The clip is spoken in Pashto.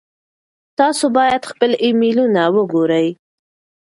تاسو باید خپل ایمیلونه وګورئ.